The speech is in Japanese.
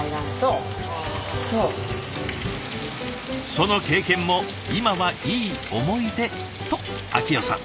「その経験も今はいい思い出」と明代さん。